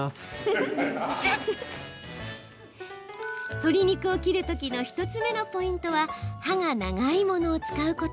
鶏肉を切るときの１つ目のポイントは刃が長いものを使うこと。